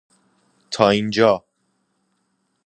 تا اینجا